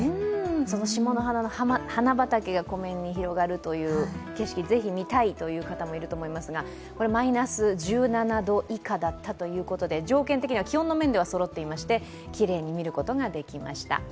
その霜の花の花畑が湖面に広がる景色をぜひ見たいという方もいると思いますがマイナス１７度以下だったということで、条件的には気温の面ではそろっていましてきれいに見ることができました。